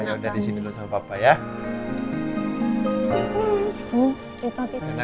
yaudah disini dulu sama papa ya